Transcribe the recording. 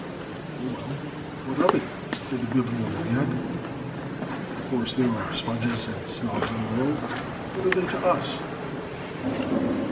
"Oh, well what of it?" said the Bibliomaniac. "Of course, there are sponges and snobs in the world. What are they to us?"